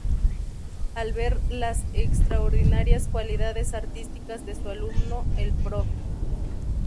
Al ver las extraordinarias cualidades artísticas de su alumno, el Profr.